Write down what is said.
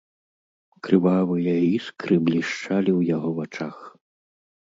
Крывавыя іскры блішчалі ў яго вачах.